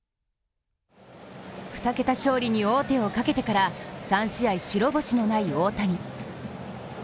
２桁勝利に王手をかけてから３試合、白星のない大谷。